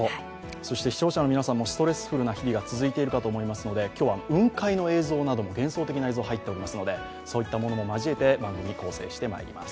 視聴者の皆さんもストレスフルな日々が続いているかと思いますので今日は雲海の映像など、幻想的な映像も入っていますので、そういったものも交えて、番組構成していきます。